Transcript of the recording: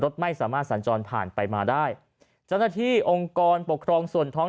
ไม่สามารถสัญจรผ่านไปมาได้เจ้าหน้าที่องค์กรปกครองส่วนท้อง